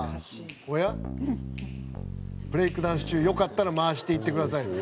「おや」「ブレイク・ダンス中よかったら回して行って下さい」